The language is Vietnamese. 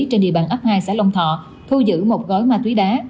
trên địa bàn ấp hai xã long thọ thu giữ một gói ma túy đá